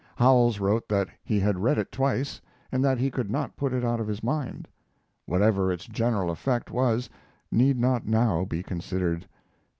Howells wrote that he had read it twice, and that he could not put it out of his mind. Whatever its general effect was need not now be considered.